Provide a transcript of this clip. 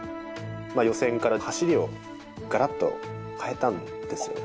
予選から走りをがらっと変えたんですよね。